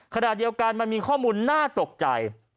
ขณะเดียวกันมันมีข้อมูลน่าตกใจ